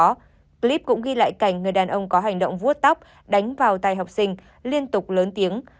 trước đó clip cũng ghi lại cảnh người đàn ông có hành động vuốt tóc đánh vào tay học sinh liên tục lớn tiếng